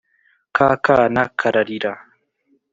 ka kana kararira